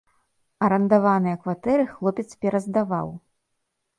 Арандаваныя кватэры хлопец пераздаваў.